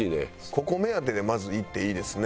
ここ目当てでまず行っていいですね。